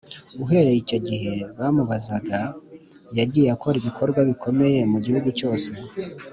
uhereye icyo gihe bamubazaga, yagiye akora ibikorwa bikomeye mu gihugu cyose